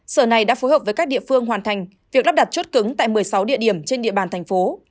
sở này đã phối hợp với các địa phương hoàn thành việc lắp đặt chốt cứng tại một mươi sáu địa điểm trên địa bàn thành phố